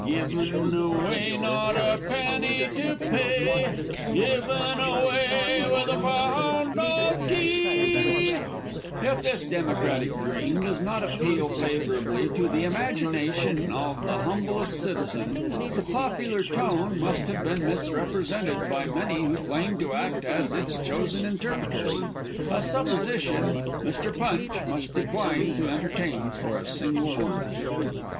Given away! Not a penny to pay! Given away! with a Pound of Tea! If this Democratic Dream does not appeal favourably to the imagination of the humblest citizen, the popular tone must have been misrepresented by many who claim to act as its chosen interpreters a supposition Mr. Punch must decline to entertain for a single moment.